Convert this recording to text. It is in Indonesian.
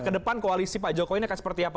kedepan koalisi pak jokowi ini akan seperti apa